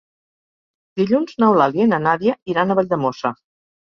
Dilluns n'Eulàlia i na Nàdia iran a Valldemossa.